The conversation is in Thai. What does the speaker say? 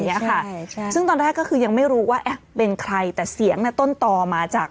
เนี้ยค่ะใช่ใช่ซึ่งตอนแรกก็คือยังไม่รู้ว่าเอ๊ะเป็นใครแต่เสียงน่ะต้นต่อมาจาก